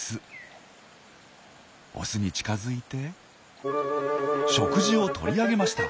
オスに近づいて食事を取り上げました。